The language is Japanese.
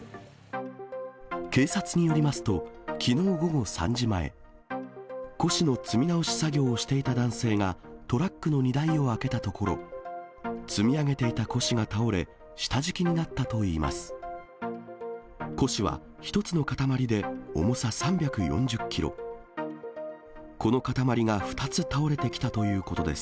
警察によりますと、きのう午後３時前、古紙の積み直し作業をしていた男性が、トラックの荷台を開けたところ、積み上げていた古紙が倒れ、下敷きになったといいます。